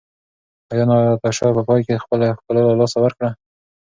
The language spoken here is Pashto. ایا ناتاشا په پای کې خپله ښکلا له لاسه ورکړه؟